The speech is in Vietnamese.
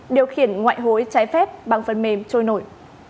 điều khiển ngoại hối trái phép bằng phần mềm trôi nổi